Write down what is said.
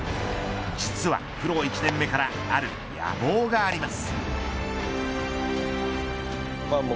実はプロ１年目からある野望があります。